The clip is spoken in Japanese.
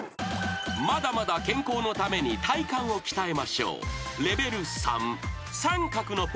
［まだまだ健康のために体幹を鍛えましょう］